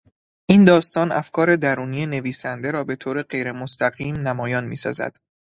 این داستان افکار درونی نویسنده را به طور غیرمستقیم نمایان میسازد.